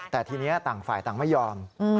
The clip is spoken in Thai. แต่ทีนี้ต่างฝ่ายต่างไม่ยอม